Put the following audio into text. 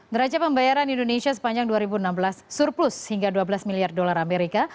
neraca pembayaran indonesia sepanjang dua ribu enam belas surplus hingga dua belas miliar dolar amerika